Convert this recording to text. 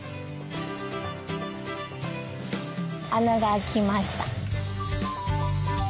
穴が開きました。